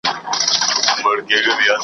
ما منلی یې پر تا مي صبر کړی .